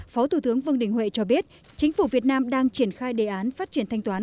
phó thủ tướng vương đình huệ cho biết chính phủ việt nam đang triển khai đề án phát triển thanh toán